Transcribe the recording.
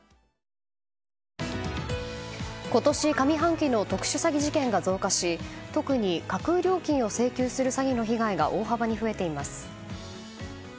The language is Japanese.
今年上半期の特殊詐欺事件が増加し特に架空料金を請求する詐欺の被害が大幅に増えています。